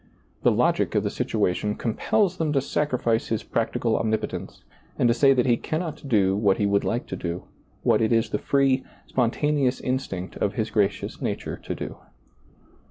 The logic of the situation com pels them to sacrifice His practical omnipotence and to say that He cannot do what He would like to do, what it is the free, spontaneous instinct of His gracious nature to do.